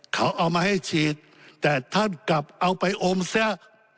เขาเอามาให้ฉีดแต่ท่านกลับเอาไปอมเสีย